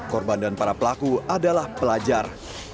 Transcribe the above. korban dan para pelaku adalah pelajar